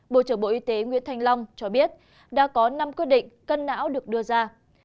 bộ trưởng bộ y tế nguyễn thanh long cho biết đã có năm quyết định cân não được đưa ra